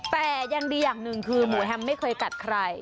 แต่ยังดีอย่างหนึ่งคือหมูแฮมไม่เคยกัดใคร